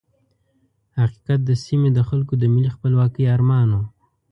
حقیقت د سیمې د خلکو د ملي خپلواکۍ ارمان وو.